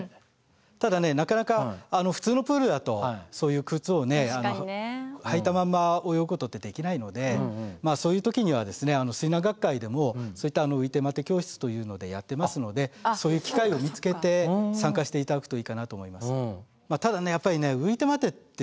ただねなかなか普通のプールだとそういう靴をね履いたまんま泳ぐことってできないのでまあそういう時にはですね水難学会でもそういったういてまて教室というのでやってますのでそういう機会を見つけて参加していただくといいかなと思います。